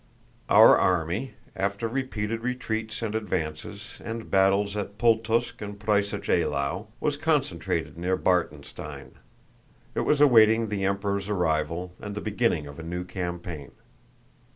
Our army, after repeated retreats and advances and battles at Pultúsk and Preussisch Eylau, was concentrated near Bartenstein. It was awaiting the Emperor's arrival and the beginning of a new campaign.